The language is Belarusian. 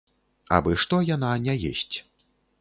Абы што яна не есць.